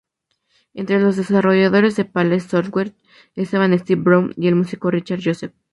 Entre los desarrolladores de Palace Software estaban Steve Brown y el músico Richard Joseph.